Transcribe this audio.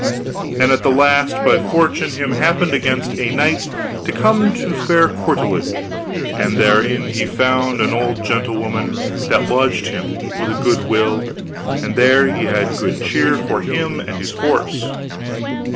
And at the last by fortune him happened against a night to come to a fair courtilage, and therein he found an old gentle woman that lodged him with a good will, and there he had good cheer for him and his horse.